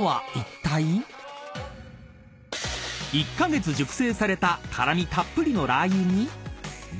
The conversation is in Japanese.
［１カ月熟成された辛みたっぷりの辣油に］